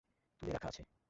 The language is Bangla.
তুলে রাখা আছে।